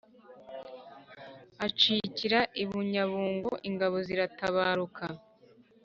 acikira i bunyabungo, ingabo ziratabaruka